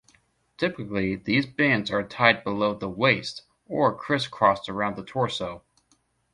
Typically these bands are tied below the waist or crisscrossed around the torso.